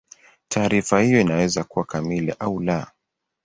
Taarifa hiyo inaweza kuwa kamili au la.